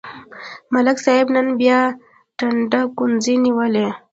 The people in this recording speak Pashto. ملک صاحب نن بیا ټنډه ګونځې نیولې.